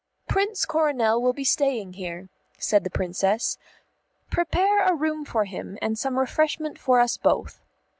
"Prince Coronel will be staying here," said the Princess. "Prepare a room for him and some refreshment for us both."